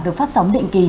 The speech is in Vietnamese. được phát sóng định kỳ